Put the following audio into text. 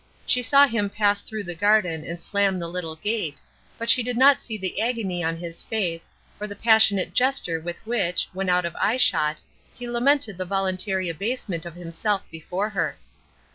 She saw him pass through the garden and slam the little gate, but she did not see the agony on his face, or the passionate gesture with which when out of eyeshot he lamented the voluntary abasement of himself before her.